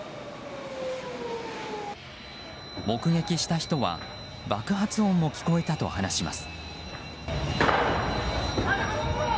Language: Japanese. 目撃した人は爆発音も聞こえたと話します。